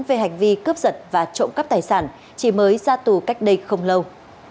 về hành vi cướp giật và trộm cắp tài sản chỉ mới ra tù cách đây không lâu